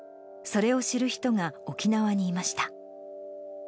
それを知る人が沖縄にいました。